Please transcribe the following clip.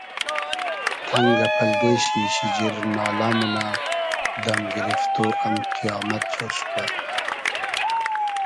تئنگۂ پئلدې شی شیجیر نالۂ مونۂ دئم گیریفتۉ ام قپامئد جۉر شودۂ